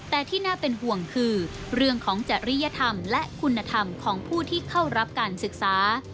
แต่ที่น่าเป็นห่วงคือเรื่องของจริยธรรมและคุณธรรมของผู้ที่เข้ารับการศึกษา